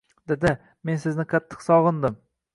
Dada, Men sizni qattiq sog'indim